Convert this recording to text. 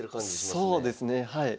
そうですねはい。